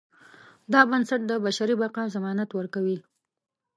دا بنسټ د بشري بقا ضمانت ورکوي.